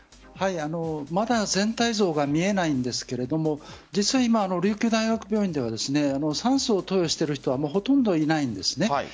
まだ全体像が見えないんですが実は今、琉球大学病院では酸素を投与している人はほとんどいないんです。